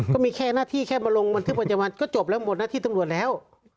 ก็มีแค่หน้าที่แค่มาลงบันทึกประจำวันก็จบแล้วหมดหน้าที่ตำรวจแล้ว